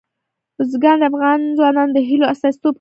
بزګان د افغان ځوانانو د هیلو استازیتوب کوي.